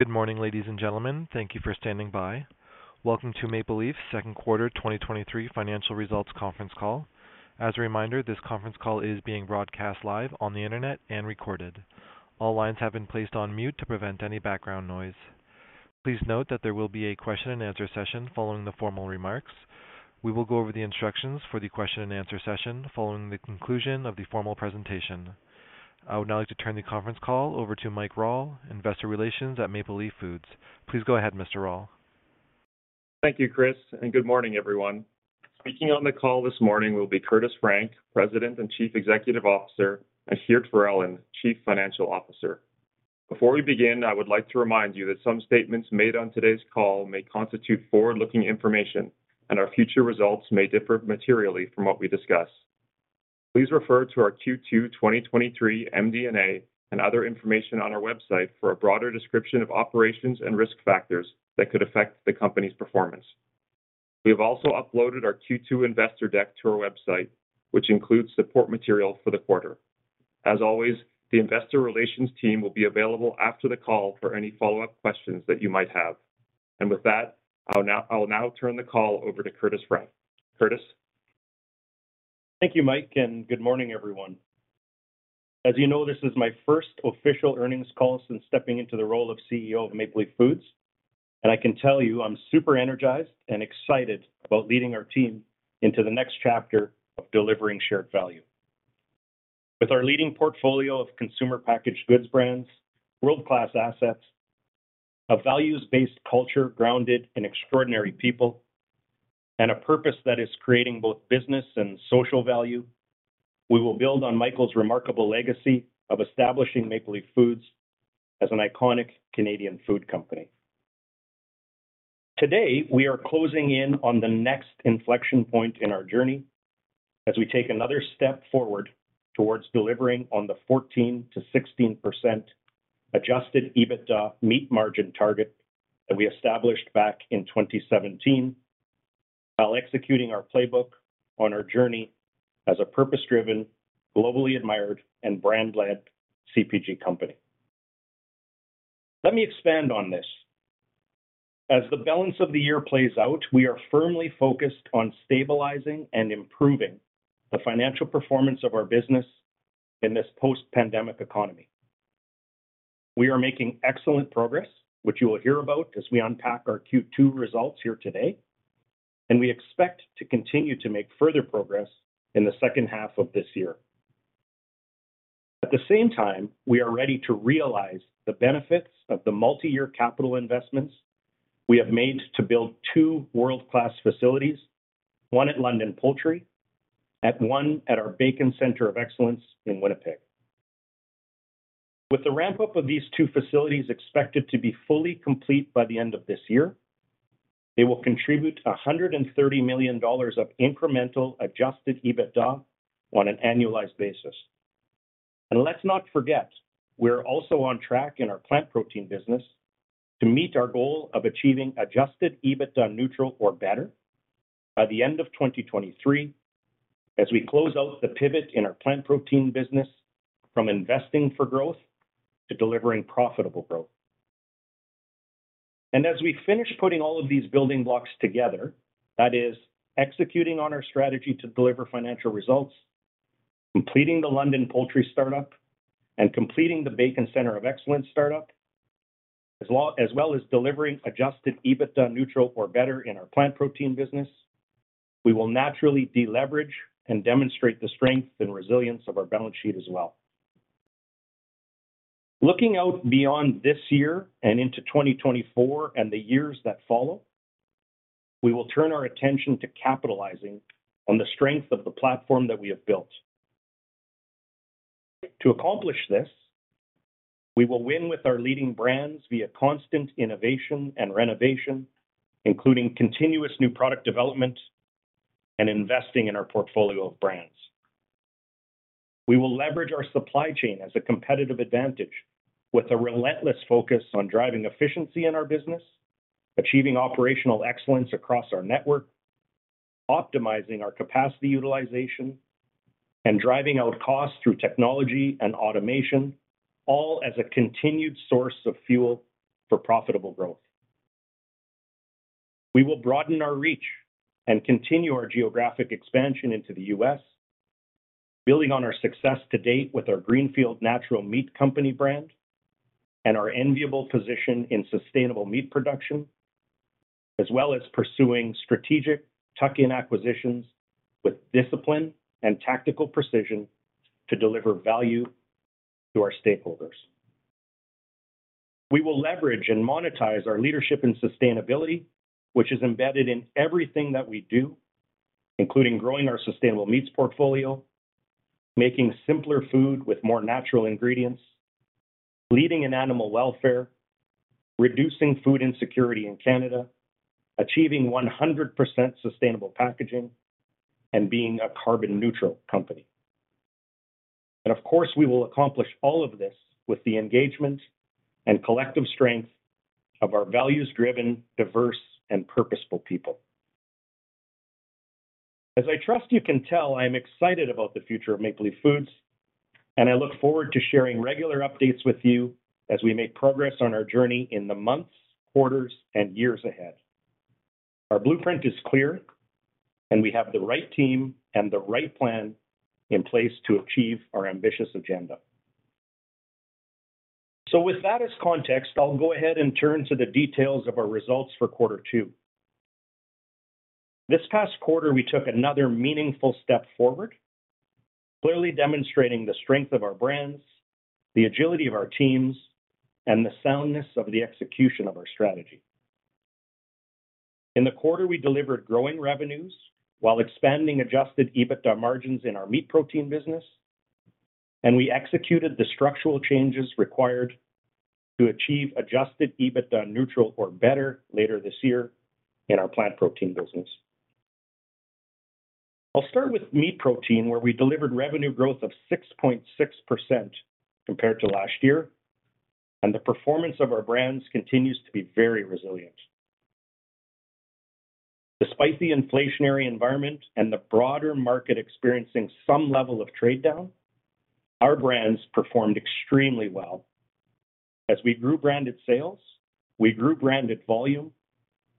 Good morning, ladies and gentlemen. Thank you for standing by. Welcome to Maple Leaf's second quarter 2023 financial results conference call. As a reminder, this conference call is being broadcast live on the internet and recorded. All lines have been placed on mute to prevent any background noise. Please note that there will be a question and answer session following the formal remarks. We will go over the instructions for the question and answer session following the conclusion of the formal presentation. I would now like to turn the conference call over to Mike Rawle, Investor Relations at Maple Leaf Foods. Please go ahead, Mr. Rawle. Thank you, Chris. Good morning, everyone. Speaking on the call this morning will be Curtis Frank, President and Chief Executive Officer, and Geert Verellen, Chief Financial Officer. Before we begin, I would like to remind you that some statements made on today's call may constitute forward-looking information, and our future results may differ materially from what we discuss. Please refer to our Q2 2023 MD&A and other information on our website for a broader description of operations and risk factors that could affect the company's performance. We have also uploaded our Q2 investor deck to our website, which includes support material for the quarter. As always, the investor relations team will be available after the call for any follow-up questions that you might have. With that, I'll now turn the call over to Curtis Frank. Curtis? Thank you, Mike, good morning, everyone. As you know, this is my first official earnings call since stepping into the role of CEO of Maple Leaf Foods, I can tell you I'm super energized and excited about leading our team into the next chapter of delivering shared value. With our leading portfolio of consumer packaged goods brands, world-class assets, a values-based culture grounded in extraordinary people, a purpose that is creating both business and social value, we will build on Michael's remarkable legacy of establishing Maple Leaf Foods as an iconic Canadian food company. Today, we are closing in on the next inflection point in our journey as we take another step forward towards delivering on the 14%-16% adjusted EBITDA meat margin target that we established back in 2017, while executing our playbook on our journey as a purpose-driven, globally admired, and brand-led CPG company. Let me expand on this. As the balance of the year plays out, we are firmly focused on stabilizing and improving the financial performance of our business in this post-pandemic economy. We are making excellent progress, which you will hear about as we unpack our Q2 results here today, and we expect to continue to make further progress in the second half of this year. At the same time, we are ready to realize the benefits of the multi-year capital investments we have made to build two world-class facilities, one at London Poultry and one at our Bacon Centre of Excellence in Winnipeg. With the ramp-up of these two facilities expected to be fully complete by the end of this year, they will contribute 130 million dollars of incremental adjusted EBITDA on an annualized basis. Let's not forget, we're also on track in our plant protein business to meet our goal of achieving adjusted EBITDA neutral or better by the end of 2023, as we close out the pivot in our plant protein business from investing for growth to delivering profitable growth. As we finish putting all of these building blocks together, that is executing on our strategy to deliver financial results, completing the London Poultry startup and completing the Bacon Centre of Excellence startup, as well as delivering adjusted EBITDA neutral or better in our plant protein business, we will naturally deleverage and demonstrate the strength and resilience of our balance sheet as well. Looking out beyond this year and into 2024 and the years that follow, we will turn our attention to capitalizing on the strength of the platform that we have built. To accomplish this, we will win with our leading brands via constant innovation and renovation, including continuous new product development and investing in our portfolio of brands. We will leverage our supply chain as a competitive advantage with a relentless focus on driving efficiency in our business, achieving operational excellence across our network, optimizing our capacity utilization, and driving out costs through technology and automation, all as a continued source of fuel for profitable growth. We will broaden our reach and continue our geographic expansion into the U.S., building on our success to date with our Greenfield Natural Meat Co. brand and our enviable position in sustainable meat production, as well as pursuing strategic tuck-in acquisitions with discipline and tactical precision to deliver value to our stakeholders. We will leverage and monetize our leadership in sustainability, which is embedded in everything that we do, including growing our sustainable meats portfolio, making simpler food with more natural ingredients, leading in animal welfare, reducing food insecurity in Canada, achieving 100% sustainable packaging, and being a carbon neutral company. Of course, we will accomplish all of this with the engagement and collective strength of our values-driven, diverse, and purposeful people. As I trust you can tell, I am excited about the future of Maple Leaf Foods, and I look forward to sharing regular updates with you as we make progress on our journey in the months, quarters, and years ahead. Our blueprint is clear, and we have the right team and the right plan in place to achieve our ambitious agenda. With that as context, I'll go ahead and turn to the details of our results for quarter two. This past quarter, we took another meaningful step forward, clearly demonstrating the strength of our brands, the agility of our teams, and the soundness of the execution of our strategy. In the quarter, we delivered growing revenues while expanding adjusted EBITDA margins in our meat protein business, and we executed the structural changes required to achieve adjusted EBITDA neutral or better later this year in our plant protein business. I'll start with meat protein, where we delivered revenue growth of 6.6% compared to last year, and the performance of our brands continues to be very resilient. Despite the inflationary environment and the broader market experiencing some level of trade-down, our brands performed extremely well as we grew branded sales, we grew branded volume,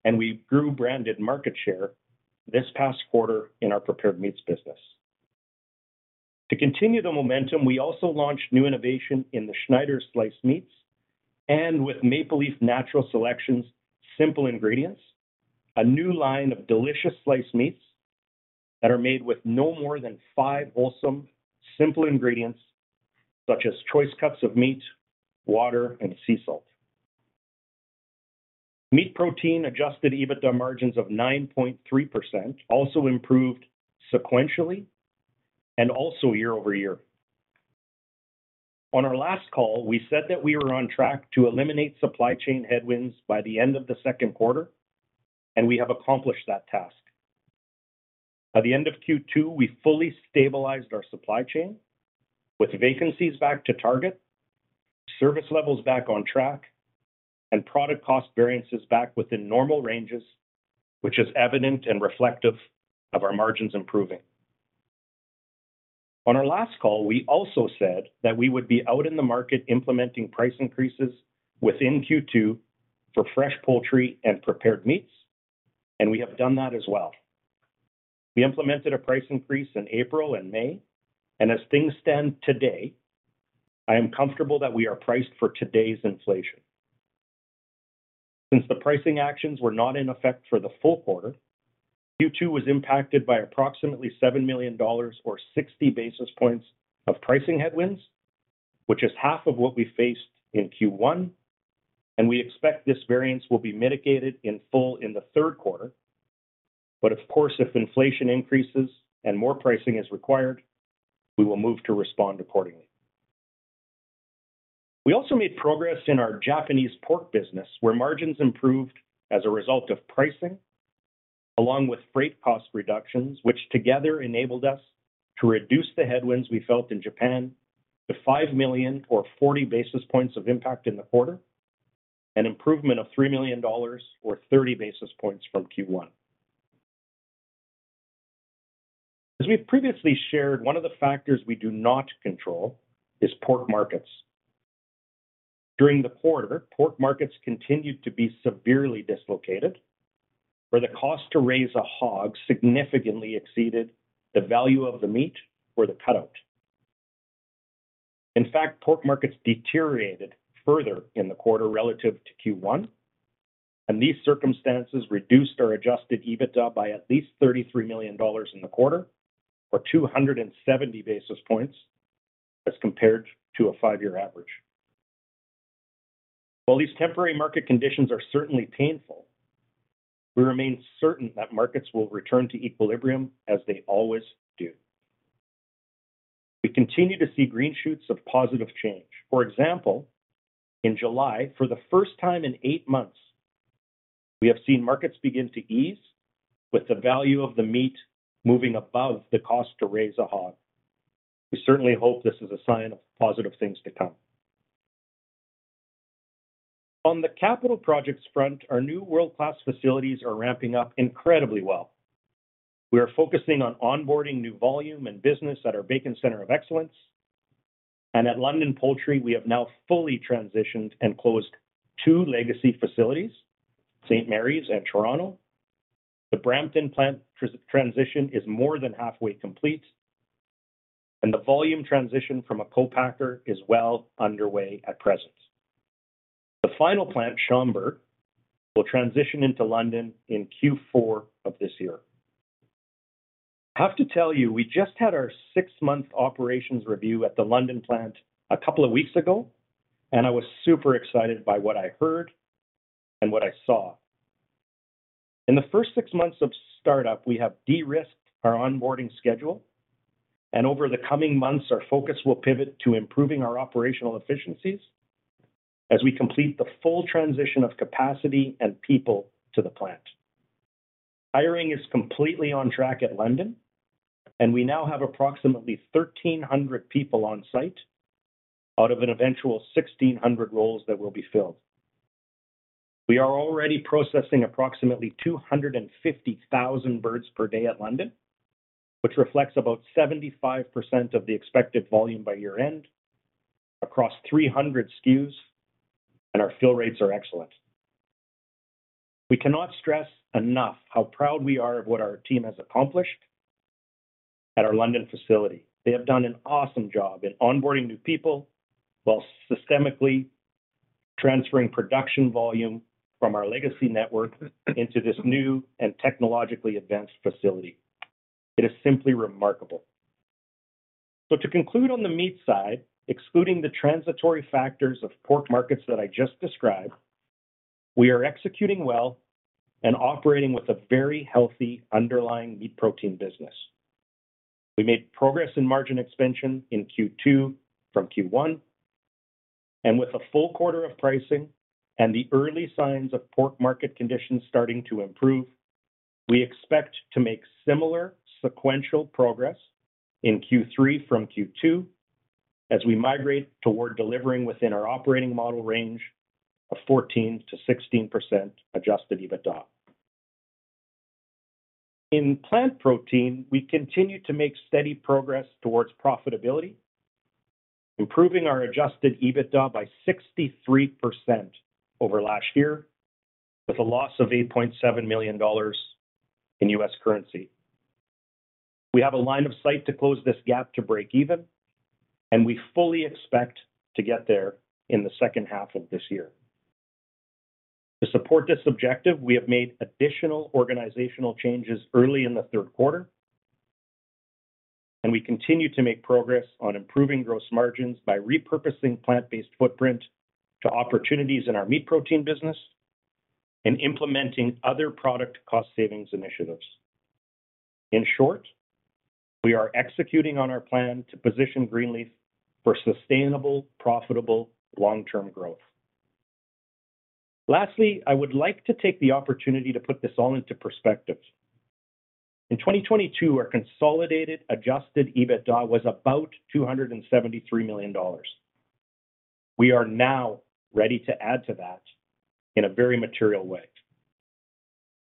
and we grew branded market share this past quarter in our prepared meats business. To continue the momentum, we also launched new innovation in the Schneiders sliced meats and with Maple Leaf Natural Selections simple ingredients, a new line of delicious sliced meats that are made with no more than five awesome, simple ingredients, such as choice cuts of meat, water, and sea salt. Meat protein adjusted EBITDA margins of 9.3% also improved sequentially and also year-over-year. On our last call, we said that we were on track to eliminate supply chain headwinds by the end of the second quarter, and we have accomplished that task. By the end of Q2, we fully stabilized our supply chain with vacancies back to target, service levels back on track, and product cost variances back within normal ranges, which is evident and reflective of our margins improving. On our last call, we also said that we would be out in the market implementing price increases within Q2 for fresh poultry and prepared meats. We have done that as well. We implemented a price increase in April and May. As things stand today, I am comfortable that we are priced for today's inflation. Since the pricing actions were not in effect for the full quarter, Q2 was impacted by approximately 7 million dollars or 60 basis points of pricing headwinds, which is half of what we faced in Q1. We expect this variance will be mitigated in full in the third quarter. Of course, if inflation increases and more pricing is required, we will move to respond accordingly. We also made progress in our Japanese pork business, where margins improved as a result of pricing, along with freight cost reductions, which together enabled us to reduce the headwinds we felt in Japan to 5 million or 40 basis points of impact in the quarter, an improvement of 3 million dollars or 30 basis points from Q1. As we've previously shared, one of the factors we do not control is pork markets. During the quarter, pork markets continued to be severely dislocated, where the cost to raise a hog significantly exceeded the value of the meat or the cutout. In fact, pork markets deteriorated further in the quarter relative to Q1, and these circumstances reduced our adjusted EBITDA by at least 33 million dollars in the quarter, or 270 basis points as compared to a 5-year average. While these temporary market conditions are certainly painful, we remain certain that markets will return to equilibrium as they always do. We continue to see green shoots of positive change. For example, in July, for the first time in 8 months, we have seen markets begin to ease, with the value of the meat moving above the cost to raise a hog. We certainly hope this is a sign of positive things to come. On the capital projects front, our new world-class facilities are ramping up incredibly well. We are focusing on onboarding new volume and business at our Bacon Centre of Excellence, and at London Poultry, we have now fully transitioned and closed two legacy facilities, St. Marys and Toronto. The Brampton plant transition is more than halfway complete, and the volume transition from a co-packer is well underway at present. The final plant, Schomberg, will transition into London in Q4 of this year. I have to tell you, we just had our six-month operations review at the London plant a couple of weeks ago, and I was super excited by what I heard and what I saw. In the first six months of startup, we have de-risked our onboarding schedule, and over the coming months, our focus will pivot to improving our operational efficiencies as we complete the full transition of capacity and people to the plant. Hiring is completely on track at London, and we now have approximately 1,300 people on site out of an eventual 1,600 roles that will be filled. We are already processing approximately 250,000 birds per day at London, which reflects about 75% of the expected volume by year-end, across 300 SKUs, and our fill rates are excellent. We cannot stress enough how proud we are of what our team has accomplished at our London facility. They have done an awesome job at onboarding new people while systemically transferring production volume from our legacy network into this new and technologically advanced facility. It is simply remarkable. To conclude on the meat side, excluding the transitory factors of pork markets that I just described, we are executing well and operating with a very healthy underlying meat protein business. We made progress in margin expansion in Q2 from Q1, and with a full quarter of pricing and the early signs of pork market conditions starting to improve, we expect to make similar sequential progress in Q3 from Q2 as we migrate toward delivering within our operating model range of 14%-16% adjusted EBITDA. In plant protein, we continue to make steady progress towards profitability, improving our adjusted EBITDA by 63% over last year, with a loss of 8.7 million dollars in U.S. currency. We have a line of sight to close this gap to breakeven, and we fully expect to get there in the second half of this year. To support this objective, we have made additional organizational changes early in the third quarter. We continue to make progress on improving gross margins by repurposing plant-based footprint to opportunities in our meat protein business and implementing other product cost savings initiatives. In short, we are executing on our plan to position Greenleaf for sustainable, profitable, long-term growth. Lastly, I would like to take the opportunity to put this all into perspective. In 2022, our consolidated adjusted EBITDA was about 273 million dollars. We are now ready to add to that in a very material way.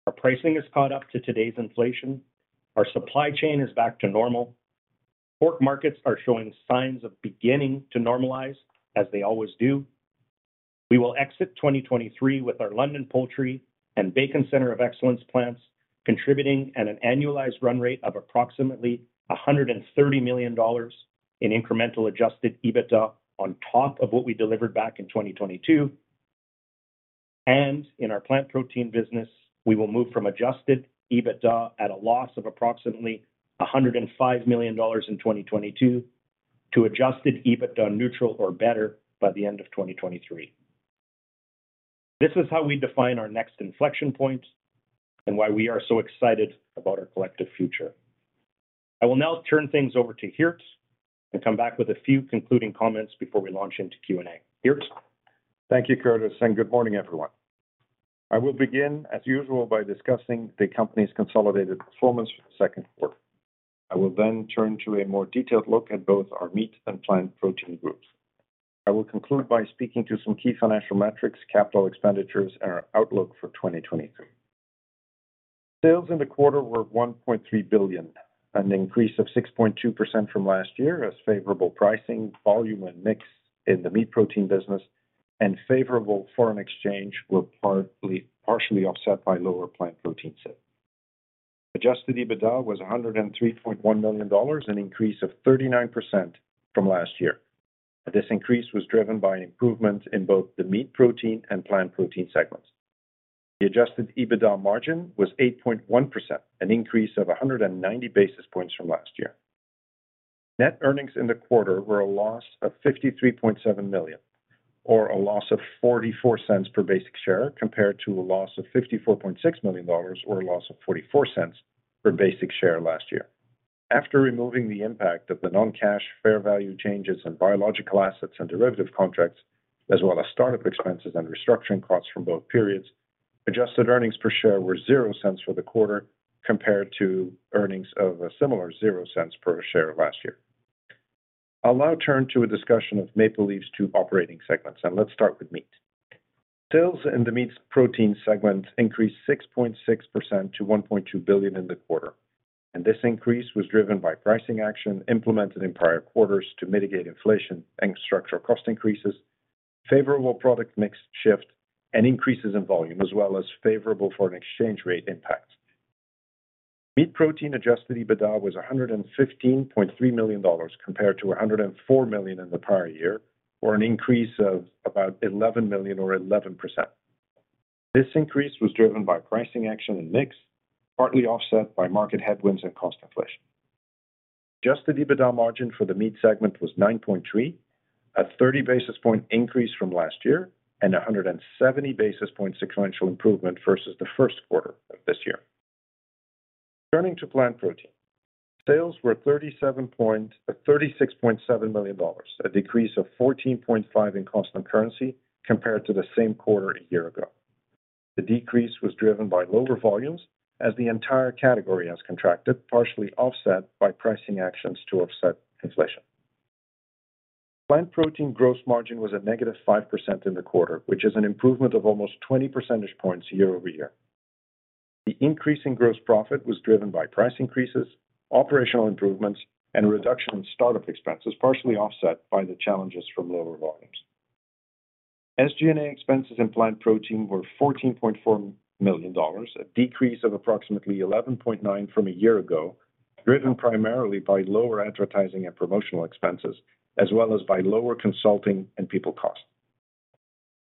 Our pricing has caught up to today's inflation, our supply chain is back to normal. Pork markets are showing signs of beginning to normalize, as they always do. We will exit 2023 with our London Poultry and Bacon Centre of Excellence plants, contributing at an annualized run rate of approximately 130 million dollars in incremental adjusted EBITDA on top of what we delivered back in 2022. In our plant protein business, we will move from adjusted EBITDA at a loss of approximately 105 million dollars in 2022 to adjusted EBITDA neutral or better by the end of 2023. This is how we define our next inflection point and why we are so excited about our collective future. I will now turn things over to Geert and come back with a few concluding comments before we launch into Q&A. Geert? Thank you, Curtis. Good morning, everyone. I will begin, as usual, by discussing the company's consolidated performance for the second quarter. I will then turn to a more detailed look at both our meat and plant protein groups. I will conclude by speaking to some key financial metrics, capital expenditures, and our outlook for 2023. Sales in the quarter were 1.3 billion, an increase of 6.2% from last year, as favorable pricing, volume and mix in the meat protein business and favorable foreign exchange were partially offset by lower plant protein set. Adjusted EBITDA was 103.1 million dollars, an increase of 39% from last year. This increase was driven by an improvement in both the meat protein and plant protein segments. The adjusted EBITDA margin was 8.1%, an increase of 190 basis points from last year. Net earnings in the quarter were a loss of 53.7 million, or a loss of 0.44 per basic share, compared to a loss of 54.6 million dollars, or a loss of 0.44 per basic share last year. After removing the impact of the non-cash fair value changes in biological assets and derivative contracts, as well as start-up expenses and restructuring costs from both periods, adjusted earnings per share were 0.00 for the quarter, compared to earnings of a similar 0.00 per share last year. I'll now turn to a discussion of Maple Leaf's two operating segments, and let's start with meat. Sales in the meat protein segment increased 6.6% to 1.2 billion in the quarter, and this increase was driven by pricing action implemented in prior quarters to mitigate inflation and structural cost increases, favorable product mix shift, and increases in volume, as well as favorable foreign exchange rate impacts. Meat protein adjusted EBITDA was 115.3 million dollars, compared to 104 million in the prior year, or an increase of about 11 million or 11%. This increase was driven by pricing action and mix, partly offset by market headwinds and cost inflation. Adjusted EBITDA margin for the meat segment was 9.3%, a 30 basis point increase from last year, and a 170 basis point sequential improvement versus the first quarter of this year. Turning to plant protein, sales were 36.7 million dollars, a decrease of 14.5% in constant currency compared to the same quarter a year ago. The decrease was driven by lower volumes as the entire category has contracted, partially offset by pricing actions to offset inflation. Plant protein gross margin was at -5% in the quarter, which is an improvement of almost 20 percentage points year-over-year. The increase in gross profit was driven by price increases, operational improvements, and a reduction in startup expenses, partially offset by the challenges from lower volumes. SG&A expenses and plant protein were 14.4 million dollars, a decrease of approximately 11.9 million from a year ago, driven primarily by lower advertising and promotional expenses, as well as by lower consulting and people costs.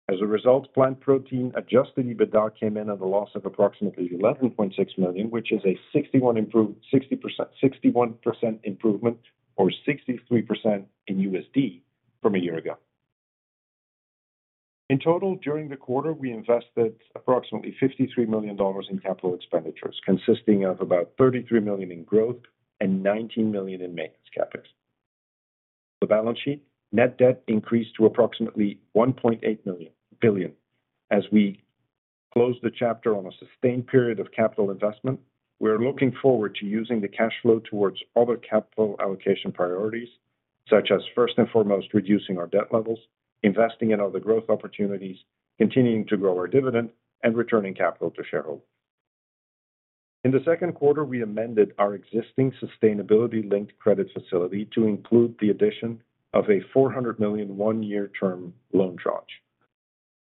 As a result, plant protein adjusted EBITDA came in at a loss of approximately 11.6 million, which is a 61% improvement, or 63% in USD from a year ago. In total, during the quarter, we invested approximately 53 million dollars in capital expenditures, consisting of about 33 million in growth and 19 million in maintenance CapEx. The balance sheet, net debt increased to approximately 1.8 billion. As we close the chapter on a sustained period of capital investment, we are looking forward to using the cash flow towards other capital allocation priorities, such as, first and foremost, reducing our debt levels, investing in other growth opportunities, continuing to grow our dividend, and returning capital to shareholders. In the second quarter, we amended our existing sustainability-linked credit facility to include the addition of a 400 million, one-year term loan tranche.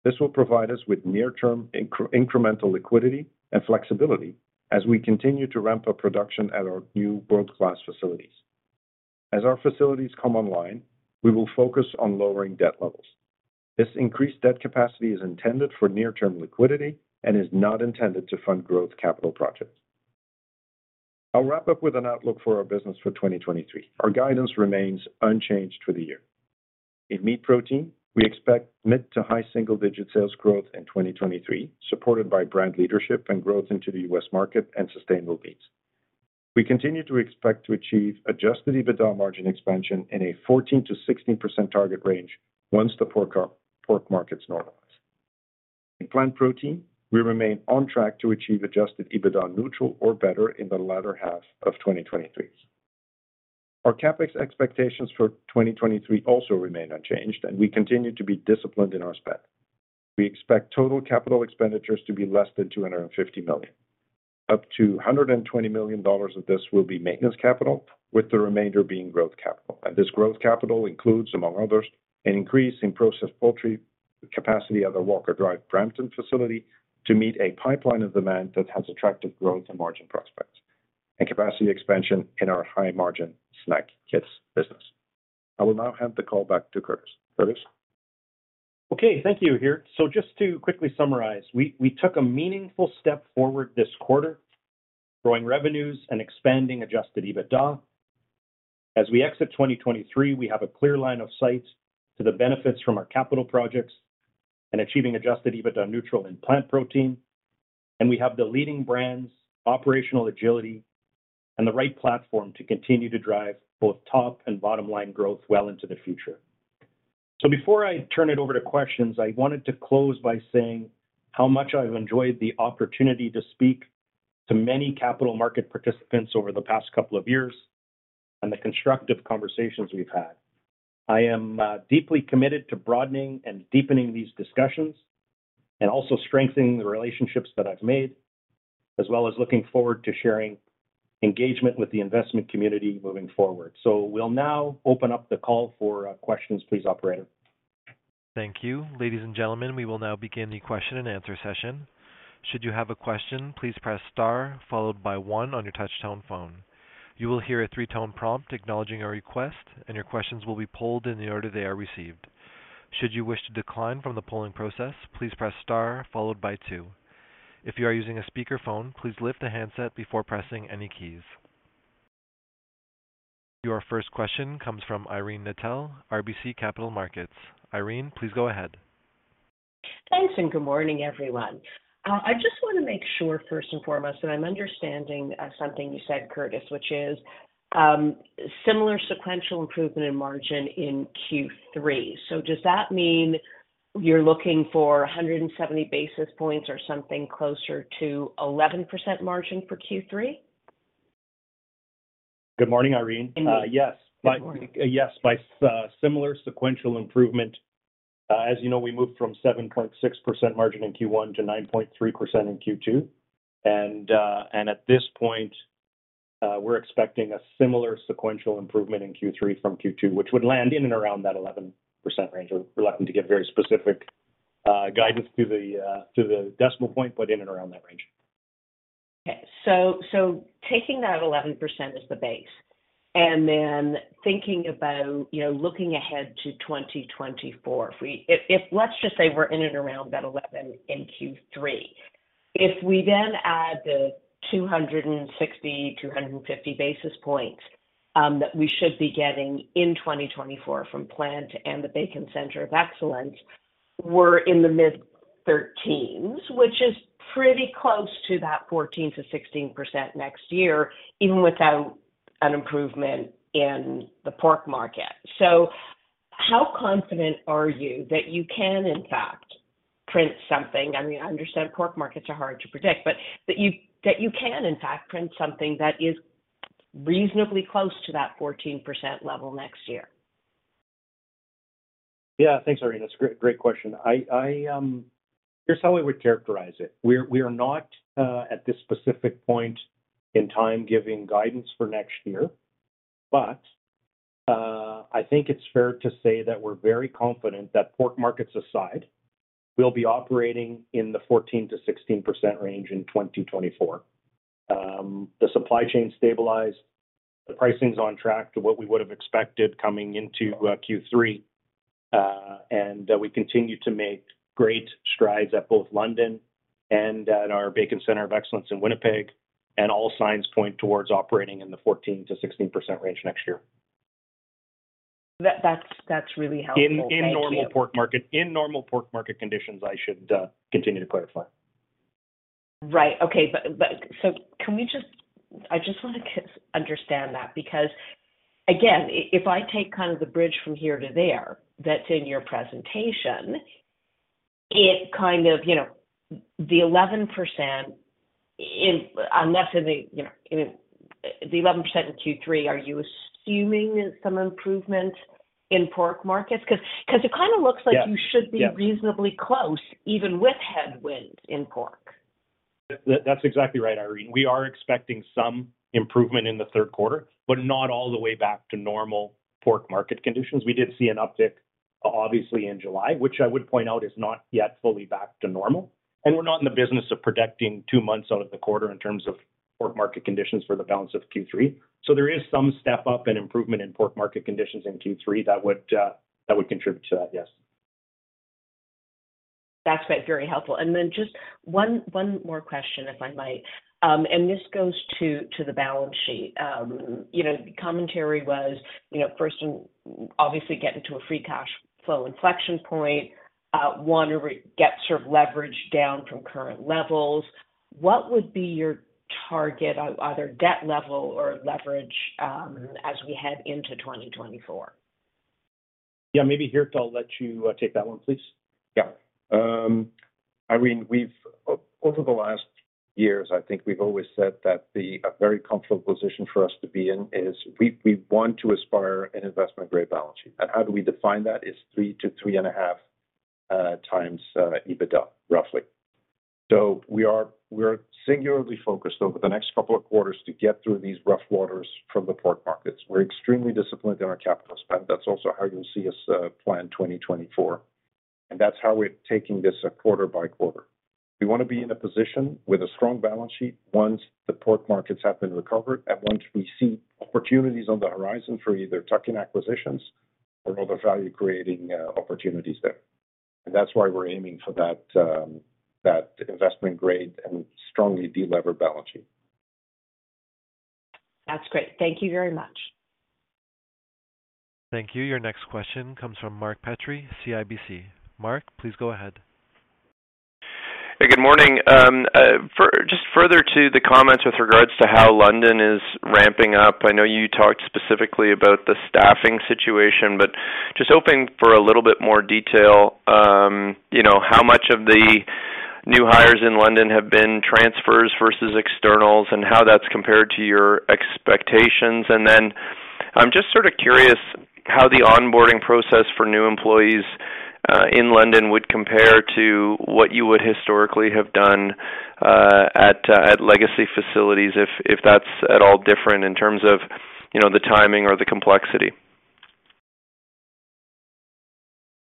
This will provide us with near-term incremental liquidity and flexibility as we continue to ramp up production at our new world-class facilities. As our facilities come online, we will focus on lowering debt levels. This increased debt capacity is intended for near-term liquidity and is not intended to fund growth capital projects. I'll wrap up with an outlook for our business for 2023. Our guidance remains unchanged for the year. In meat protein, we expect mid to high single-digit sales growth in 2023, supported by brand leadership and growth into the U.S. market and sustainable meats. We continue to expect to achieve adjusted EBITDA margin expansion in a 14%-16% target range once the pork markets normalize. In plant protein, we remain on track to achieve adjusted EBITDA neutral or better in the latter half of 2023. Our CapEx expectations for 2023 also remain unchanged. We continue to be disciplined in our spend. We expect total capital expenditures to be less than 250 million. Up to 120 million dollars of this will be maintenance capital, with the remainder being growth capital. This growth capital includes, among others, an increase in processed poultry capacity at the Walker Drive Brampton facility to meet a pipeline of demand that has attractive growth and margin prospects, and capacity expansion in our high-margin snack kits business. I will now hand the call back to Curtis. Curtis? Okay, thank you, Geert. Just to quickly summarize, we, we took a meaningful step forward this quarter, growing revenues and expanding adjusted EBITDA. As we exit 2023, we have a clear line of sight to the benefits from our capital projects and achieving adjusted EBITDA neutral in plant protein. We have the leading brands, operational agility, and the right platform to continue to drive both top and bottom-line growth well into the future. Before I turn it over to questions, I wanted to close by saying how much I've enjoyed the opportunity to speak to many capital market participants over the past couple of years, and the constructive conversations we've had. I am deeply committed to broadening and deepening these discussions, and also strengthening the relationships that I've made, as well as looking forward to sharing engagement with the investment community moving forward. We'll now open up the call for questions, please, operator. Thank you. Ladies and gentlemen, we will now begin the question and answer session. Should you have a question, please press star followed by one on your touchtone phone. You will hear a three-tone prompt acknowledging our request, and your questions will be polled in the order they are received. Should you wish to decline from the polling process, please press star followed by two. If you are using a speakerphone, please lift the handset before pressing any keys. Your first question comes from Irene Nattel, RBC Capital Markets. Irene, please go ahead. Thanks, good morning, everyone. I just want to make sure, first and foremost, that I'm understanding, something you said, Curtis, which is, similar sequential improvement in margin in Q3. Does that mean you're looking for 170 basis points or something closer to 11% margin for Q3? Good morning, Irene. Good morning. Yes, by similar sequential improvement, as you know, we moved from 7.6% margin in Q1 to 9.3% in Q2. At this point, we're expecting a similar sequential improvement in Q3 from Q2, which would land in and around that 11% range. We're reluctant to give very specific guidance to the decimal point, but in and around that range. So taking that 11% as the base and then thinking about, you know, looking ahead to 2024, if we if let's just say we're in and around that 11 in Q3, if we then add the 260, 250 basis points that we should be getting in 2024 from plant and the Bacon Centre of Excellence, we're in the mid-13s, which is pretty close to that 14%-16% next year, even without an improvement in the pork market. How confident are you that you can, in fact, print something. I mean, I understand pork markets are hard to predict, but that you, that you can, in fact, print something that is reasonably close to that 14% level next year? Yeah. Thanks, Irene. It's a great, great question. I, I, here's how I would characterize it: We're- we are not at this specific point in time giving guidance for next year, but I think it's fair to say that we're very confident that, pork markets aside, we'll be operating in the 14%-16% range in 2024. The supply chain stabilized, the pricing's on track to what we would've expected coming into Q3. And we continue to make great strides at both London and at our Bacon Centre of Excellence in Winnipeg, and all signs point towards operating in the 14%-16% range next year. That, that's, that's really helpful. Thank you. In normal pork market conditions, I should continue to clarify. Right. Okay. I just wanna understand that, because, again, if I take kind of the bridge from here to there, that's in your presentation, it kind of, you know, the 11% is, unless in the, you know, I mean, the 11% in Q3, are you assuming some improvement in pork markets? 'Cause it kinda looks like you should be reasonably close, even with headwinds in pork. That, that's exactly right, Irene. We are expecting some improvement in the third quarter, but not all the way back to normal pork market conditions. We did see an uptick, obviously, in July, which I would point out is not yet fully back to normal, and we're not in the business of predicting two months out of the quarter in terms of pork market conditions for the balance of Q3. There is some step up and improvement in pork market conditions in Q3 that would, that would contribute to that. Yes. That's been very helpful. Just one, one more question, if I might. This goes to, to the balance sheet. You know, the commentary was, you know, first and obviously getting to a free cash flow inflection point, want to get sort of leverage down from current levels. What would be your target, either debt level or leverage, as we head into 2024? Yeah, maybe, Geert, I'll let you take that one, please. Yeah. Irene, we've over the last years, I think we've always said that a very comfortable position for us to be in is we, we want to aspire an investment-grade balance sheet. How do we define that? Is 3x to 3.5x EBITDA, roughly. We're singularly focused over the next couple of quarters to get through these rough waters from the pork markets. We're extremely disciplined in our capital spend. That's also how you'll see us plan 2024, and that's how we're taking this a quarter by quarter. We wanna be in a position with a strong balance sheet once the pork markets have been recovered and once we see opportunities on the horizon for either tuck-in acquisitions or other value-creating opportunities there. That's why we're aiming for that, that investment grade and strongly delevered balance sheet. That's great. Thank you very much. Thank you. Your next question comes from Mark Petrie, CIBC. Mark, please go ahead. Hey, good morning. Just further to the comments with regards to how London is ramping up, I know you talked specifically about the staffing situation, but just hoping for a little bit more detail, you know, how much of the new hires in London have been transfers versus externals, and how that's compared to your expectations? Then I'm just sort of curious how the onboarding process for new employees in London would compare to what you would historically have done at legacy facilities, if that's at all different in terms of, you know, the timing or the complexity.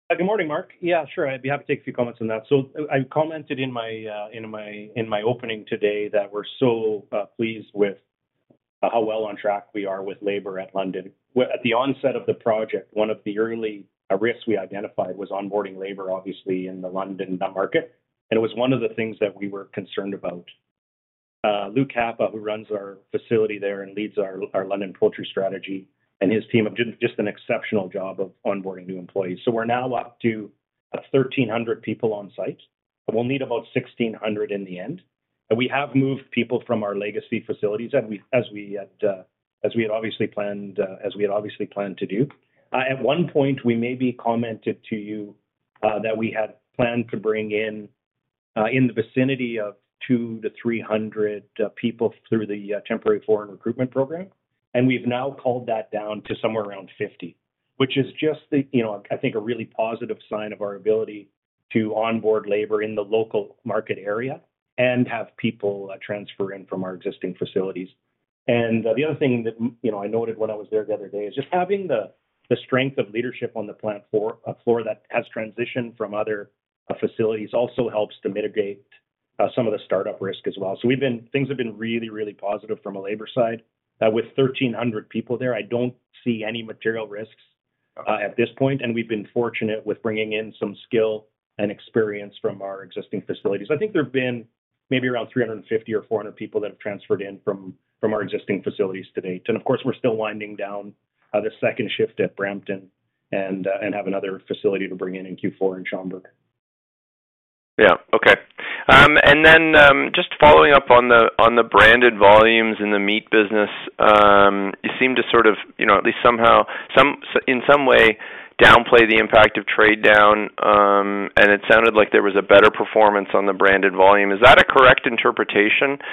Good morning, Mark. Yeah, sure, I'd be happy to take a few comments on that. I, I commented in my, in my, in my opening today that we're so pleased with how well on track we are with labor at London. Well, at the onset of the project, one of the early risks we identified was onboarding labor, obviously, in the London market, and it was one of the things that we were concerned about. Luc Kapp, who runs our facility there and leads our, our London poultry strategy, and his team have did just an exceptional job of onboarding new employees. We're now up to 1,300 people on site, but we'll need about 1,600 in the end. We have moved people from our legacy facilities, as we had obviously planned, as we had obviously planned to do. At one point, we maybe commented to you that we had planned to bring in in the vicinity of 200-300 people through the Temporary Foreign Worker Program, and we've now culled that down to somewhere around 50, which is just the, you know, I think, a really positive sign of our ability to onboard labor in the local market area and have people transfer in from our existing facilities. The other thing that, you know, I noted when I was there the other day is just having the strength of leadership on the plant floor, that has transitioned from other facilities also helps to mitigate some of the startup risk as well. Things have been really, really positive from a labor side. With 1,300 people there, I don't see any material risks at this point, and we've been fortunate with bringing in some skill and experience from our existing facilities. I think there have been maybe around 350 or 400 people that have transferred in from, from our existing facilities to date. Of course, we're still winding down the second shift at Brampton and have another facility to bring in in Q4 in Schomberg. Yeah. Okay. Then, just following up on the, on the branded volumes in the meat business, you seem to sort of, you know, at least somehow, some in some way, downplay the impact of trade down. It sounded like there was a better performance on the branded volume. Is that a correct interpretation?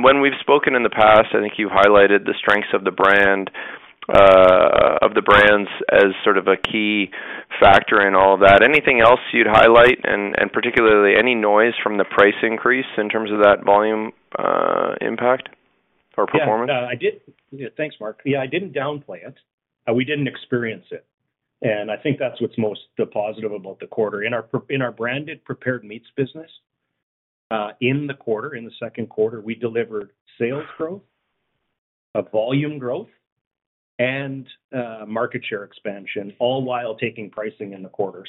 When we've spoken in the past, I think you highlighted the strengths of the brand, of the brands as sort of a key factor in all that. Anything else you'd highlight, and, and particularly, any noise from the price increase in terms of that volume, impact or performance? Yeah. Yeah. Thanks, Mark. Yeah, I didn't downplay it. We didn't experience it, and I think that's what's most positive about the quarter. In our in our branded prepared meats business, in the quarter, in the second quarter, we delivered sales growth, a volume growth, and market share expansion, all while taking pricing in the quarter.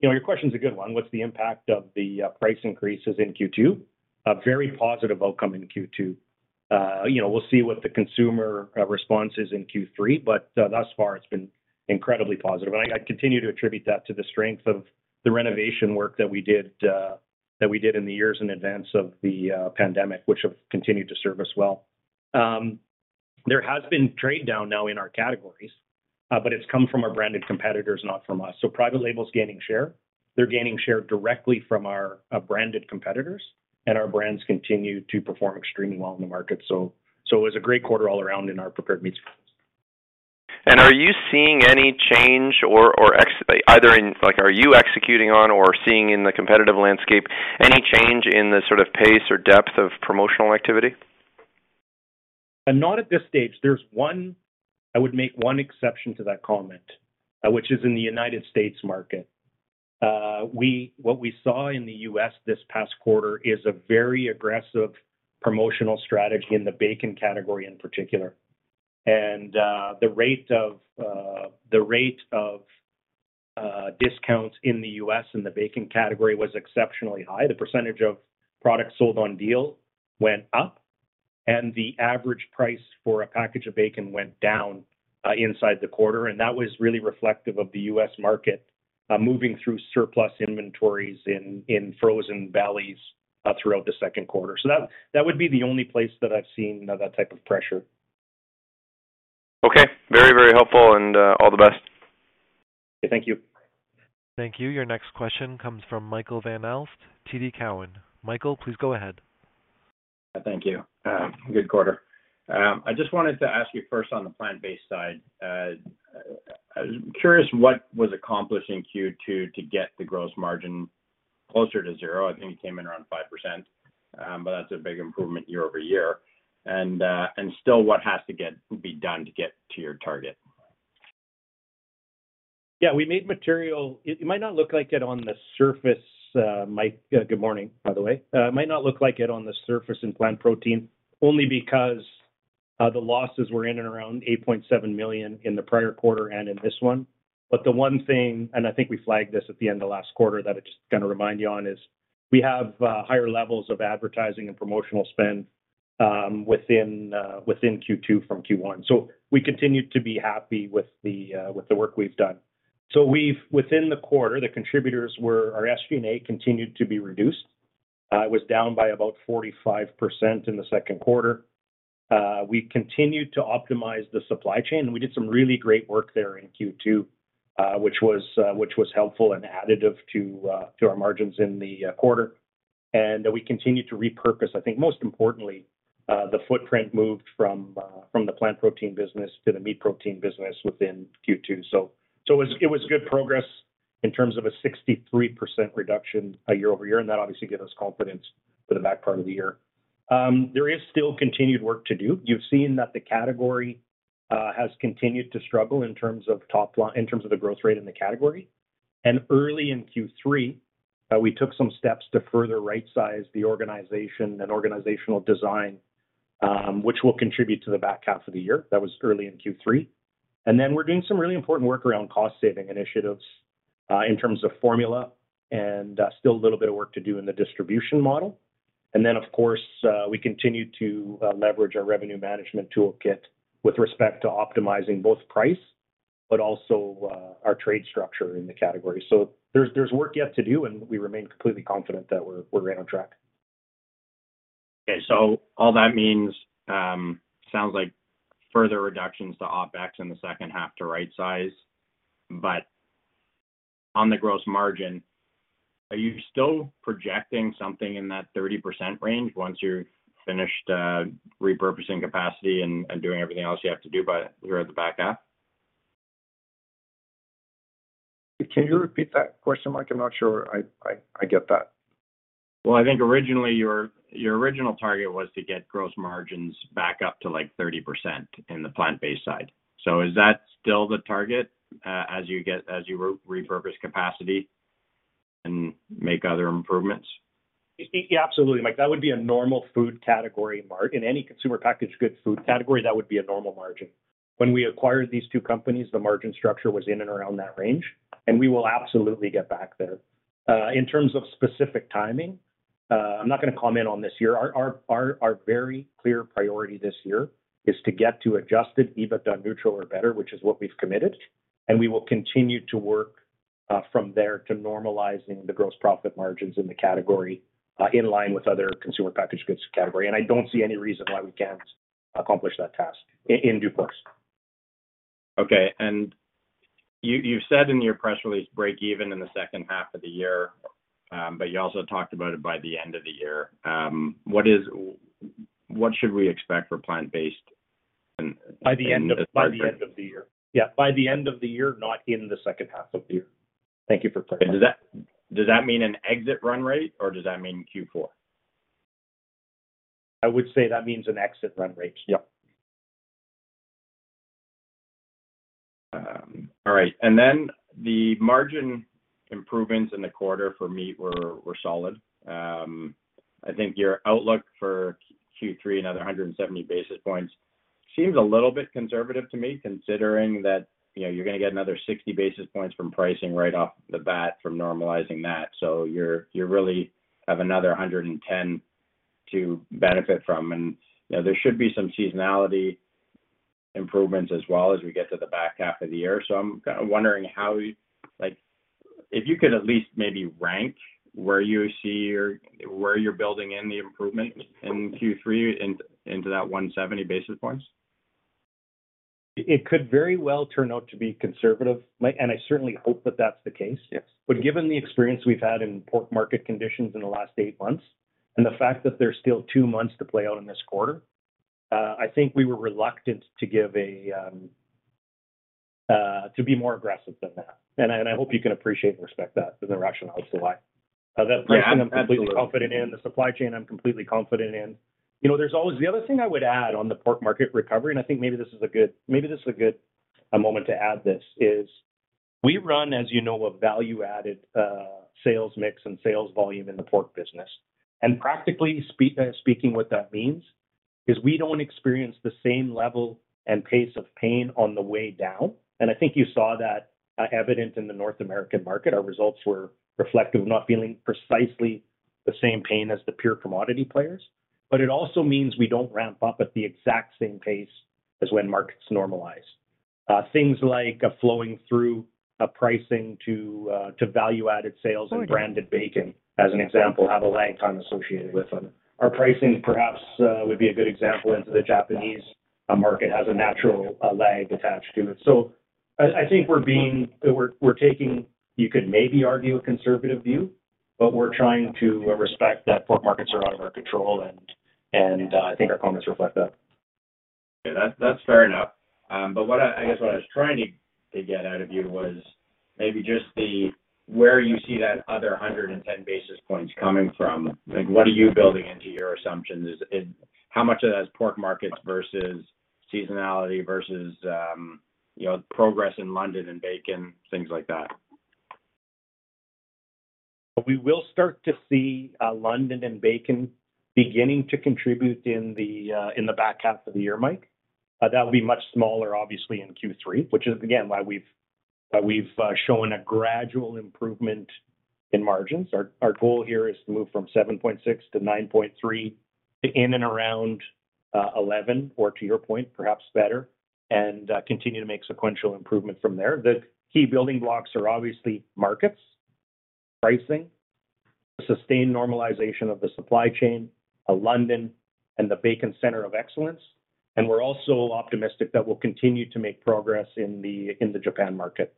You know, your question is a good one: What's the impact of the price increases in Q2? A very positive outcome in Q2. You know, we'll see what the consumer response is in Q3, but thus far, it's been incredibly positive. I, I continue to attribute that to the strength of the renovation work that we did, that we did in the years in advance of the pandemic, which have continued to serve us well. There has been trade-down now in our categories, but it's come from our branded competitors, not from us. Private label is gaining share. They're gaining share directly from our branded competitors, and our brands continue to perform extremely well in the market. It was a great quarter all around in our prepared meats. Are you seeing any change or, either in, like, are you executing on or seeing in the competitive landscape, any change in the sort of pace or depth of promotional activity? Not at this stage. I would make one exception to that comment, which is in the United States market. What we saw in the US this past quarter is a very aggressive promotional strategy in the bacon category in particular. The rate of the rate of discounts in the US in the bacon category was exceptionally high. The percentage of products sold on deal went up, the average price for a package of bacon went down inside the quarter, and that was really reflective of the US market moving through surplus inventories in frozen valleys throughout the second quarter. That, that would be the only place that I've seen that type of pressure. Okay. Very, very helpful, and all the best. Thank you. Thank you. Your next question comes from Michael Van Aelst, TD Cowen. Michael, please go ahead. Thank you. Good quarter. I just wanted to ask you first on the plant-based side. I was curious what was accomplished in Q2 to get the gross margin closer to zero. I think it came in around 5%, but that's a big improvement year-over-year. Still what has to get, be done to get to your target? Yeah, we made material. It, it might not look like it on the surface, Mike, good morning, by the way. It might not look like it on the surface in plant protein, only because the losses were in and around 8.7 million in the prior quarter and in this one. The one thing, and I think we flagged this at the end of last quarter, that I'm just gonna remind you on, is we have higher levels of advertising and promotional spend within Q2 from Q1. We continue to be happy with the work we've done. Within the quarter, the contributors were, our SG&A continued to be reduced. It was down by about 45% in the second quarter. We continued to optimize the supply chain, and we did some really great work there in Q2, which was helpful and additive to our margins in the quarter. We continued to repurpose. I think most importantly, the footprint moved from the plant protein business to the meat protein business within Q2. It was, it was good progress in terms of a 63% reduction year-over-year, and that obviously gives us confidence for the back part of the year. There is still continued work to do. You've seen that the category has continued to struggle in terms of top line, in terms of the growth rate in the category. Early in Q3, we took some steps to further right-size the organization and organizational design, which will contribute to the back half of the year. That was early in Q3. Then we're doing some really important work around cost-saving initiatives, in terms of formula, and, still a little bit of work to do in the distribution model. Then, of course, we continue to leverage our revenue management toolkit with respect to optimizing both price, but also, our trade structure in the category. There's, there's work yet to do, and we remain completely confident that we're, we're right on track. All that means, sounds like further reductions to OpEx in the second half to right size. On the gross margin, are you still projecting something in that 30% range once you're finished, repurposing capacity and, and doing everything else you have to do by here at the back half? Can you repeat that question, Mike? I'm not sure I, I, I get that. Well, I think originally, your, your original target was to get gross margins back up to, like, 30% in the plant-based side. Is that still the target, as you get, as you repurpose capacity and make other improvements? Yeah, absolutely, Mike. That would be a normal food category in any consumer packaged goods food category, that would be a normal margin. When we acquired these two companies, the margin structure was in and around that range, and we will absolutely get back there. In terms of specific timing, I'm not going to comment on this year. Our very clear priority this year is to get to adjusted EBITDA neutral or better, which is what we've committed. We will continue to work from there to normalizing the gross profit margins in the category in line with other consumer packaged goods category. I don't see any reason why we can't accomplish that task in due course. Okay. You, you said in your press release, break even in the second half of the year, but you also talked about it by the end of the year. What should we expect for plant-based and- By the end of the year? Yeah, by the end of the year, not in the second half of the year. Thank you for clarifying. Does that, does that mean an exit run rate, or does that mean Q4? I would say that means an exit run rate, yeah. All right. The margin improvements in the quarter for meat were, were solid. I think your outlook for Q3, another 170 basis points, seems a little bit conservative to me, considering that, you know, you're gonna get another 60 basis points from pricing right off the bat from normalizing that. You're, you really have another 110 to benefit from. You know, there should be some seasonality improvements as well as we get to the back half of the year. I'm kinda wondering how. Like, if you could at least maybe rank where you see or where you're building in the improvement in Q3 in, into that 170 basis points. It could very well turn out to be conservative, I certainly hope that that's the case. Yes. Given the experience we've had in pork market conditions in the last eight months, and the fact that there's still two months to play out in this quarter, I think we were reluctant to give a to be more aggressive than that. I, and I hope you can appreciate and respect that and the rationale as to why. That pricing, I'm completely confident in, the supply chain, I'm completely confident in. You know, there's always. The other thing I would add on the pork market recovery, and I think maybe this is a good, maybe this is a good moment to add this, is we run, as you know, a value-added sales mix and sales volume in the pork business. Practically speaking, what that means is we don't experience the same level and pace of pain on the way down. I think you saw that evident in the North American market. Our results were reflective of not feeling precisely the same pain as the pure commodity players, but it also means we don't ramp up at the exact same pace as when markets normalize. Things like flowing through a pricing to value-added sales and branded bacon, as an example, have a lag time associated with them. Our pricing perhaps would be a good example into the Japanese market, has a natural lag attached to it. I, I think we're, we're taking, you could maybe argue, a conservative view, but we're trying to respect that pork markets are out of our control, and, I think our comments reflect that. Yeah, that's, that's fair enough. What I, I guess what I was trying to, to get out of you was maybe just the, where you see that other 110 basis points coming from. Like, what are you building into your assumptions? How much of that is pork markets versus seasonality versus, you know, progress in London and Bacon, things like that? We will start to see London and bacon beginning to contribute in the back half of the year, Mike. That will be much smaller, obviously, in Q3, which is again, why we've shown a gradual improvement in margins. Our goal here is to move from 7.6% to 9.3% to in and around 11%, or to your point, perhaps better, and continue to make sequential improvement from there. The key building blocks are obviously markets, pricing, sustained normalization of the supply chain, London, and the Bacon Centre of Excellence. We're also optimistic that we'll continue to make progress in the Japan market.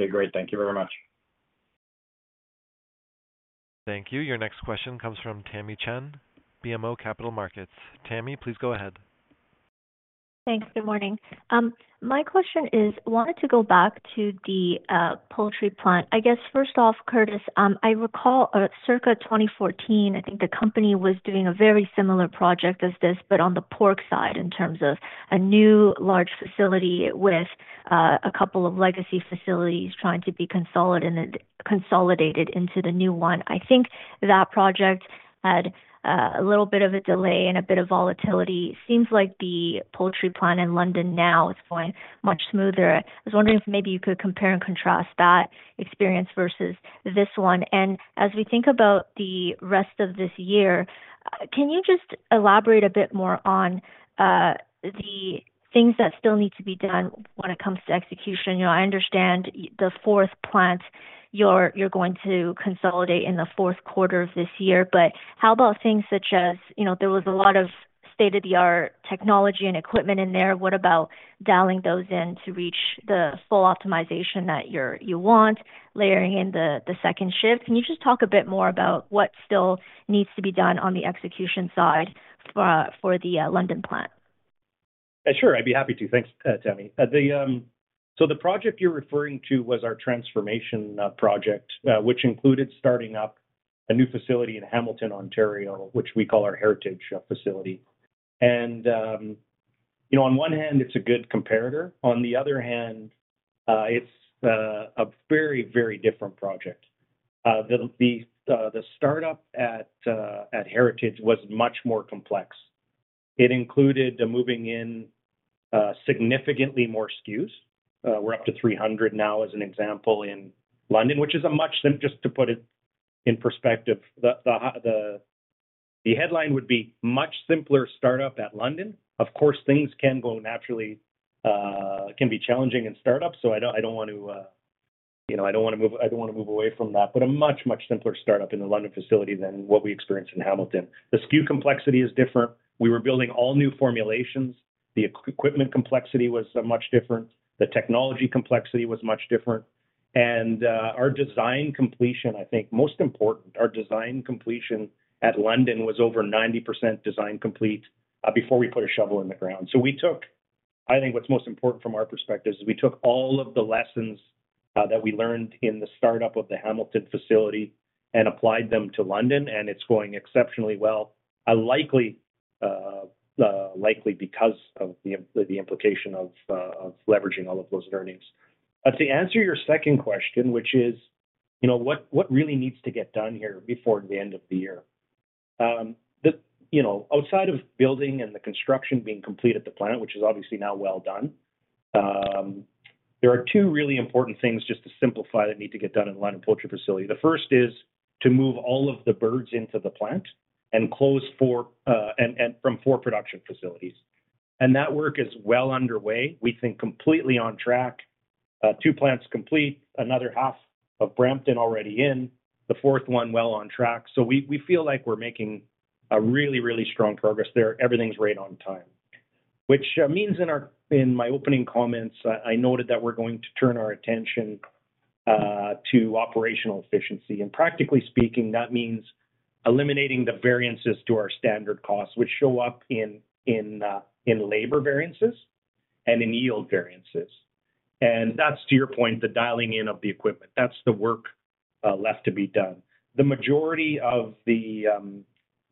Okay, great. Thank you very much. Thank you. Your next question comes from Tamy Chen, BMO Capital Markets. Tamy, please go ahead. Thanks. Good morning. My question is, I wanted to go back to the poultry plant. I guess, first off, Curtis, I recall, circa 2014, I think the company was doing a very similar project as this, but on the pork side, in terms of a new large facility with a couple of legacy facilities trying to be consolidated, consolidated into the new one. I think that project had a little bit of a delay and a bit of volatility. Seems like the poultry plant in London now is going much smoother. I was wondering if maybe you could compare and contrast that experience versus this one. As we think about the rest of this year, can you just elaborate a bit more on the things that still need to be done when it comes to execution? You know, I understand the fourth plant, you're, you're going to consolidate in the fourth quarter of this year, but how about things such as. You know, there was a lot of state-of-the-art technology and equipment in there. What about dialing those in to reach the full optimization that you want, layering in the, the second shift? Can you just talk a bit more about what still needs to be done on the execution side for, for the London plant? Sure, I'd be happy to. Thanks, Tamy. The project you're referring to was our transformation project, which included starting up a new facility in Hamilton, Ontario, which we call our Heritage facility. You know, on one hand, it's a good comparator. On the other hand, it's a very, very different project. The startup at Heritage was much more complex. It included moving in significantly more SKUs. We're up to 300 now, as an example, in London, which is a much sim. Just to put it in perspective, the headline would be much simpler startup at London. Of course, things can go naturally, can be challenging in startup, so I don't, I don't want to, you know, I don't wanna move, I don't wanna move away from that, but a much, much simpler startup in the London facility than what we experienced in Hamilton. The SKU complexity is different. We were building all new formulations. The equipment complexity was much different. The technology complexity was much different. Our design completion, I think most important, our design completion at London was over 90% design complete before we put a shovel in the ground. I think what's most important from our perspective is we took all of the lessons that we learned in the startup of the Hamilton facility and applied them to London, and it's going exceptionally well, likely, likely because of the implication of leveraging all of those learnings. To answer your second question, which is, you know, what, what really needs to get done here before the end of the year? The, you know, outside of building and the construction being complete at the plant, which is obviously now well done, there are two really important things, just to simplify, that need to get done in the London poultry facility. The first is to move all of the birds into the plant and close four, and, and from four production facilities. That work is well underway. We think completely on track. Two plants complete, another half of Brampton already in, the fourth one well on track. We, we feel like we're making a really, really strong progress there. Everything's right on time. Which means in my opening comments, I noted that we're going to turn our attention to operational efficiency. Practically speaking, that means eliminating the variances to our standard costs, which show up in, in labor variances and in yield variances. That's, to your point, the dialing in of the equipment. That's the work left to be done. The majority of the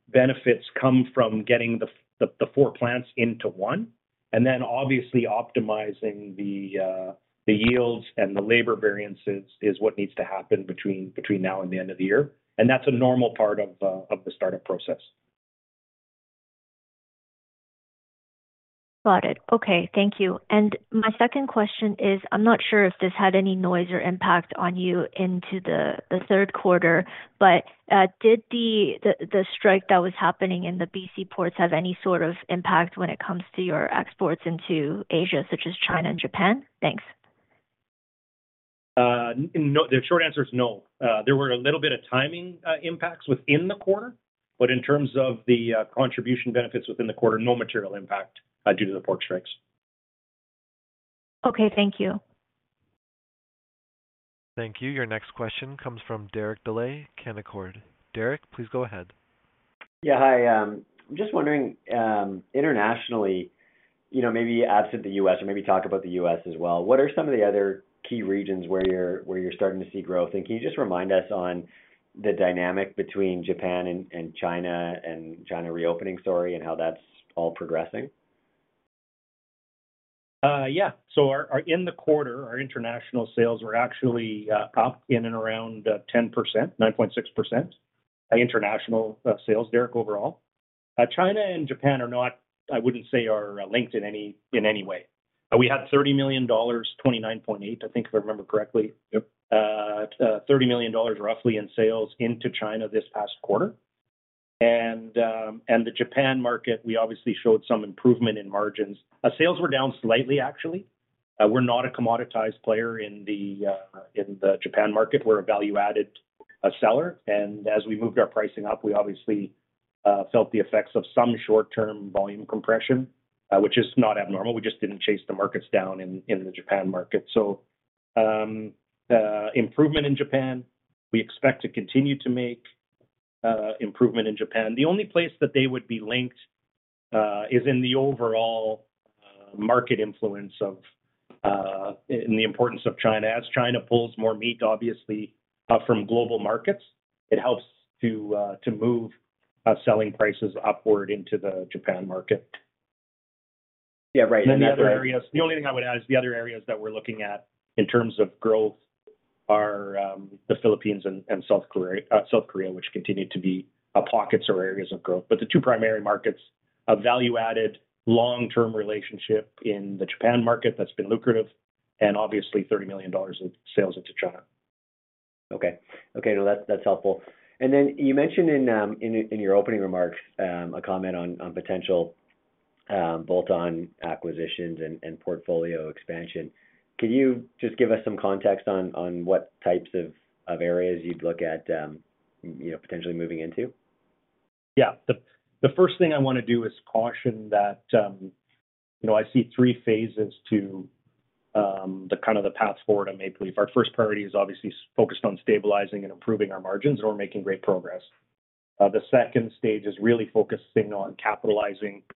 benefits come from getting the four plants into one. Then obviously optimizing the yields and the labor variances is what needs to happen between now and the end of the year. That's a normal part of the startup process. Got it. Okay, thank you. My second question is, I'm not sure if this had any noise or impact on you into the third quarter, but did the strike that was happening in the BC ports have any sort of impact when it comes to your exports into Asia, such as China and Japan? Thanks. No, the short answer is no. There were a little bit of timing impacts within the quarter, but in terms of the contribution benefits within the quarter, no material impact due to the port strikes. Okay, thank you. Thank you. Your next question comes from Derek Dley, Canaccord. Derek, please go ahead. Yeah, hi. Just wondering, internationally, you know, maybe absent the US, or maybe talk about the US as well, what are some of the other key regions where you're, where you're starting to see growth? And can you just remind us on the dynamic between Japan and, and China, and China reopening story and how that's all progressing? Yeah. Our, our, in the quarter, our international sales were actually, up in and around, 10%, 9.6%, international, sales, Derek, overall. China and Japan are not, I wouldn't say, are linked in any, in any way. We had 30 million dollars, 29.8 million, I think, if I remember correctly. Yep. 30 million dollars roughly in sales into China this past quarter. the Japan market, we obviously showed some improvement in margins. sales were down slightly, actually. We're not a commoditized player in the, in the Japan market. We're a value-added, seller, and as we moved our pricing up, we obviously, felt the effects of some short-term volume compression, which is not abnormal. We just didn't chase the markets down in, in the Japan market. Improvement in Japan, we expect to continue to make improvement in Japan. The only place that they would be linked is in the overall market influence of, in the importance of China. As China pulls more meat, obviously, from global markets, it helps to move selling prices upward into the Japan market. Yeah, right. The only thing I would add is the other areas that we're looking at in terms of growth are, the Philippines and, and South Korea, South Korea, which continue to be pockets or areas of growth. The two primary markets, a value-added, long-term relationship in the Japan market that's been lucrative, and obviously 30 million dollars in sales into China. Okay. Okay, well, that's, that's helpful. Then you mentioned in, in your opening remarks, a comment on, on potential, bolt-on acquisitions and, and portfolio expansion. Could you just give us some context on, on what types of, of areas you'd look at, you know, potentially moving into? Yeah. The first thing I want to do is caution that, you know, I see three phases to the kind of the path forward at Maple Leaf Foods. Our first priority is obviously focused on stabilizing and improving our margins, and we're making great progress. The second stage is really focusing on capitalizing benefit,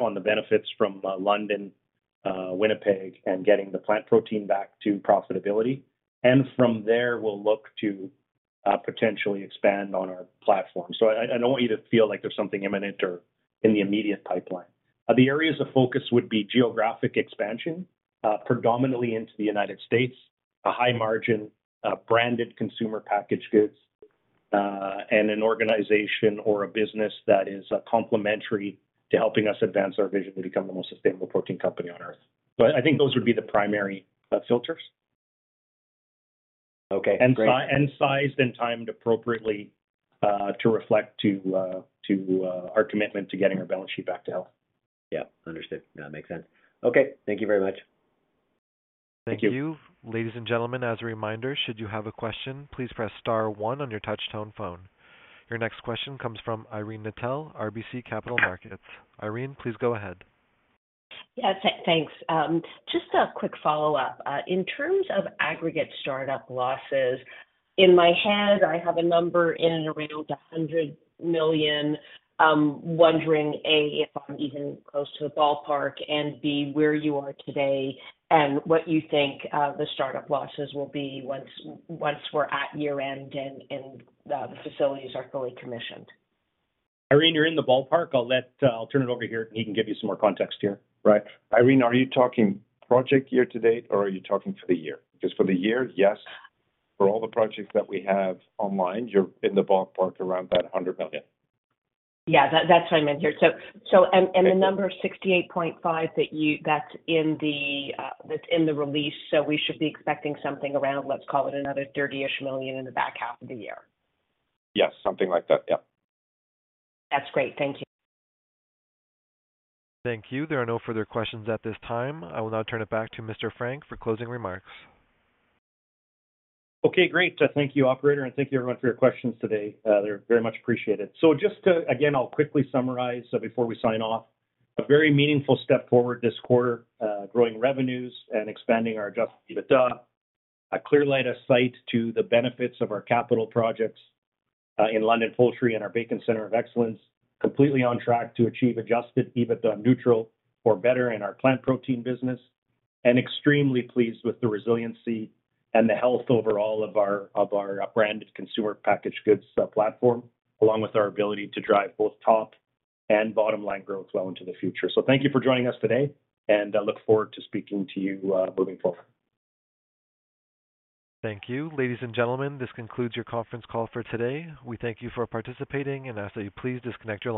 on the benefits from London Poultry, Winnipeg, and getting the plant protein back to profitability. From there, we'll look to potentially expand on our platform. I don't want you to feel like there's something imminent or in the immediate pipeline. The areas of focus would be geographic expansion, predominantly into the United States, a high margin branded consumer packaged goods, and an organization or a business that is complementary to helping us advance our vision to become the most sustainable protein company on Earth. I think those would be the primary filters. Okay, and sized and timed appropriately, to reflect to, to, our commitment to getting our balance sheet back to health. Yeah, understood. That makes sense. Okay. Thank you very much. Thank you. Ladies and gentlemen, as a reminder, should you have a question, please press star one on your touchtone phone. Your next question comes from Irene Nattel, RBC Capital Markets. Irene, please go ahead. Yes, thanks. Just a quick follow-up. In terms of aggregate startup losses, in my head, I have a number in and around 100 million. Wondering, A, if I'm even close to the ballpark, and B, where you are today and what you think, the startup losses will be once, once we're at year-end and, and, the facilities are fully commissioned? Irene, you're in the ballpark. I'll let, I'll turn it over here, and he can give you some more context here. Right. Irene, are you talking project year to date, or are you talking for the year? For the year, yes, for all the projects that we have online, you're in the ballpark around that 100 million. Yeah, that's what I meant here. The number 68.5 that's in the release, so we should be expecting something around, let's call it, another 30 million in the back half of the year. Yes, something like that. Yeah. That's great. Thank you. Thank you. There are no further questions at this time. I will now turn it back to Mr. Frank for closing remarks. Okay, great. Thank you, operator. Thank you everyone for your questions today. They're very much appreciated. Just to again, I'll quickly summarize before we sign off. A very meaningful step forward this quarter, growing revenues and expanding our adjusted EBITDA. A clear line of sight to the benefits of our capital projects in London Poultry and our Bacon Centre of Excellence. Completely on track to achieve adjusted EBITDA neutral or better in our plant protein business. Extremely pleased with the resiliency and the health overall of our, of our branded consumer packaged goods platform, along with our ability to drive both top and bottom line growth well into the future. Thank you for joining us today, and I look forward to speaking to you moving forward. Thank you. Ladies and gentlemen, this concludes your conference call for today. We thank you for participating and ask that you please disconnect your line.